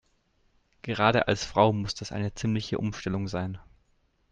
Gerade als Frau muss das eine ziemliche Umstellung sein.